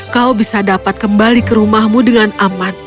kau bisa dapat kembali ke rumahmu dengan aman